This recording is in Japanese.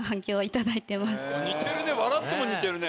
似てるね。